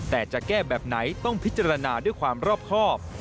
แต่จะแก้แบบไหนต้องพิจารณาด้วยความรอบครอบ